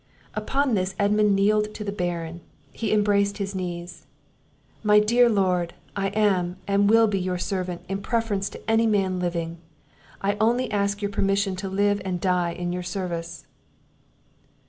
Upon this Edmund kneeled to the Baron; he embraced his knees. "My dear Lord! I am, and will be your servant, in preference to any man living; I only ask your permission to live and die in your service."